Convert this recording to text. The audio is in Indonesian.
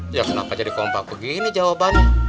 ya kenapa jadi kompak begini jawabannya